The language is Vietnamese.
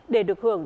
để được hưởng